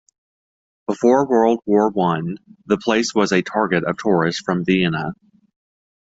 Before World War One the place was a target of tourists from Vienna.